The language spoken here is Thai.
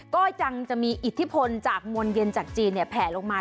ก็ยังจะมีอิทธิพลจากมวลเย็นจากจีนแผลลงมา